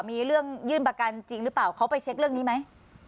มีเรื่องยื่นประกันจริงหรือเปล่าเขาไปเช็คเรื่องนี้ไหม